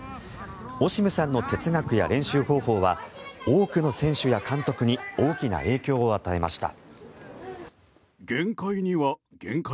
オシムさんの哲学や練習方法は多くの選手や監督に大きな影響を与えました。